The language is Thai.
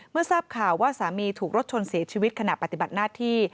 เมื่อทราบข่าวว่าสามีถูกรถชนเสียชีวิตขณะปฏิบัติหน้าที่